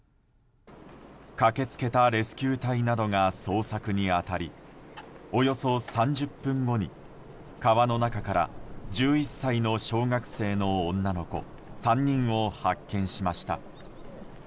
駆け付けたレスキュー隊などが捜索に当たりおよそ３０分後に川の中から１１歳の小学生の女の子３人を発見しました。